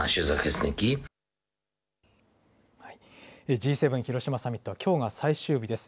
Ｇ７広島サミットはきょうが最終日です。